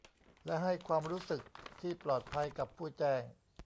และ ให้ความรู้สึกที่ปลอดภัยกับผู้แจ้ง